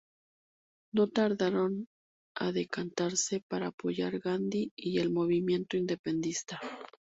No tardaron a decantarse para apoyar Gandhi y el movimiento independentista.